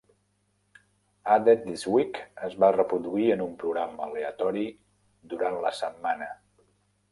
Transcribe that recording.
"Added This Week" es va reproduir en un programa aleatori durant la setmana.